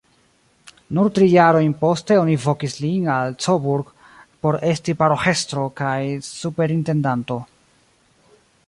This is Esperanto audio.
Nur tri jarojn poste oni vokis lin al Coburg por esti paroĥestro kaj superintendanto.